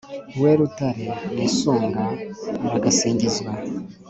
we rutare nisunga, aragasingizwa